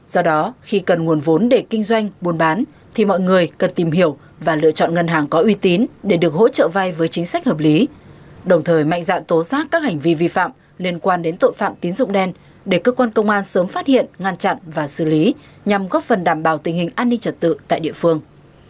do đó khi cần nguồn vốn để kinh doanh buôn bán thì mọi người cần tìm hiểu và lựa chọn ngân hàng có uy tín để được hỗ trợ vai với chính sách hợp lý đồng thời mạnh dạng tố xác các hành vi vi phạm liên quan đến tội phạm tín dụng đen để cơ quan công an sớm phát hiện ngăn chặn và xử lý nhằm góp phần đảm bảo tình hình an ninh trật tự tại địa phương